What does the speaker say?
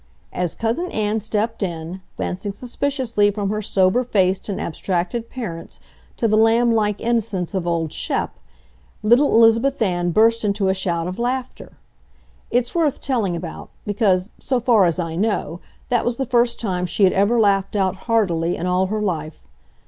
As Cousin Ann stepped in, glancing suspiciously from her sober faced and abstracted parents to the lamb like innocence of old Shep, little Elizabeth Ann burst into a shout of laughter. It's worth telling about, because, so far as I know, that was the first time she had ever laughed out heartily in all her life.